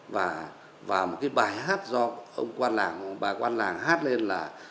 và một cái bài hát do ông quan làng bà quan làng hát lên là